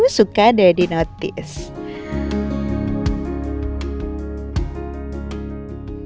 suka deh di notice